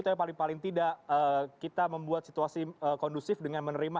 tapi paling paling tidak kita membuat situasi kondusif dengan menerima